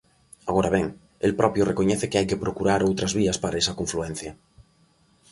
Agora ben, el propio recoñece que hai que procurar outras vías para esa confluencia.